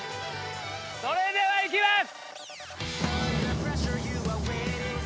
それではいきます。